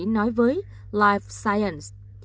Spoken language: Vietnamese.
nói với life science